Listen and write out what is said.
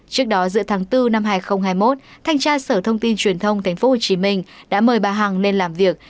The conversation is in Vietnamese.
trước đó giữa tháng bốn năm hai nghìn hai mươi một thanh tra sở thông tin truyền thông tp hcm đã mời bà hằng lên làm việc